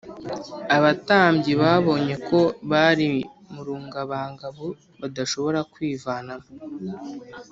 abatambyi babonye ko bari mu rungabangabo badashobora kwivanamo